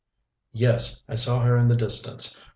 "Yes, I saw her in the distance.